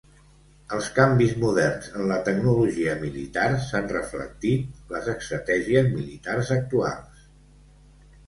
Els canvis moderns en la tecnologia militar s'han reflectit les estratègies militars actuals.